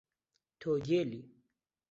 تۆ گێلی!